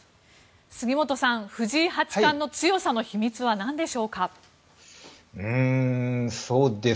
杉本さん藤井八冠の強さの秘密はなんでしょうか。